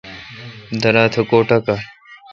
درا تہ کو ٹاکان۔